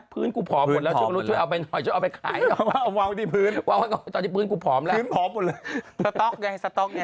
ภื้นกูผอมหลวนและช่างมึงช่วยเอาให้หน่อยช่วงหนูช่วยเอาไปขาย